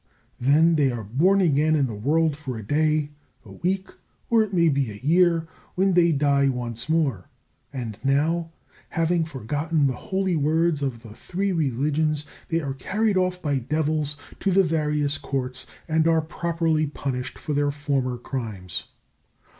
Then they are born again in the world for a day, a week, or it may be a year, when they die once more; and now, having forgotten the holy words of the Three Religions, they are carried off by devils to the various Courts, and are properly punished for their former crimes.